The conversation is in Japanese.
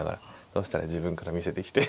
そしたら自分から見せてきて。